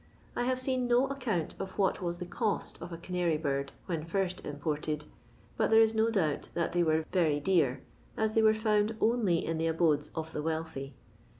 I have seen no account of what was the cost of a canary bird when first imported, but there is no doubt that they were very dear, as they were found only in the abodes of the wealthy.